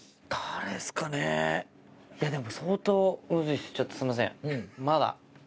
いやでも相当むずいっすちょっとすいません。